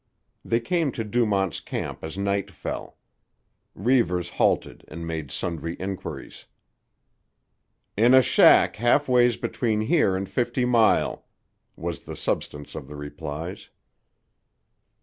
They came to Dumont's Camp as night fell. Reivers halted and made sundry enquiries. "In a shack half ways between here and Fifty Mile," was the substance of the replies.